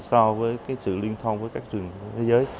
so với sự liên thông với các trường thế giới